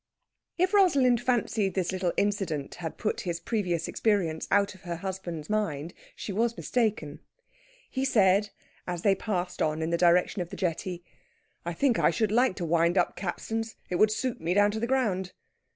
If Rosalind fancied this little incident had put his previous experience out of her husband's mind she was mistaken. He said, as they passed on in the direction of the jetty, "I think I should like to wind up capstans. It would suit me down to the ground."